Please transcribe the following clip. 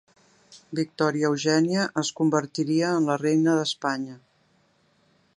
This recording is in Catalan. Victòria Eugènia es convertiria en la reina d'Espanya.